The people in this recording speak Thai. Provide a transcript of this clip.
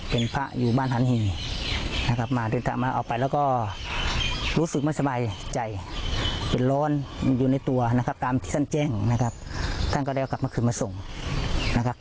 เป็นพระอยู่บ้านทันทีนะครับมาเดินทางมาเอาไปแล้วก็รู้สึกไม่สบายใจเป็นร้อนอยู่ในตัวนะครับตามที่ท่านแจ้งนะครับท่านก็ได้เอากลับมาคืนมาส่งนะครับ